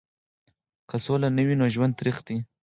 که سوله نه وي نو ژوند تریخ دی.